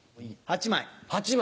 ８枚。